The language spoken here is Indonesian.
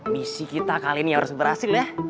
misi kita kali ini harus berhasil ya